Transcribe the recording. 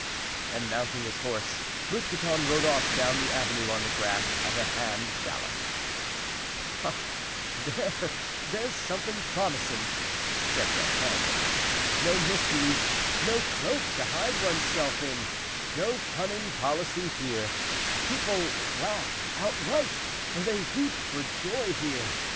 And mounting his horse Mousqueton rode off down the avenue on the grass at a hand gallop. "Ah, there! there's something promising," said D'Artagnan. "No mysteries, no cloak to hide one's self in, no cunning policy here; people laugh outright, they weep for joy here.